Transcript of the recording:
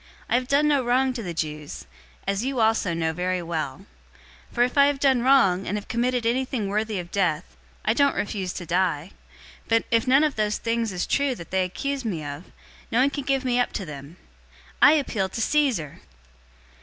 I have done no wrong to the Jews, as you also know very well. 025:011 For if I have done wrong, and have committed anything worthy of death, I don't refuse to die; but if none of those things is true that they accuse me of, no one can give me up to them. I appeal to Caesar!"